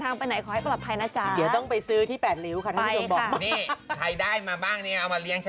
หน้าตัวแล้วใช่ไหมอ้าวก็เนี่ยโห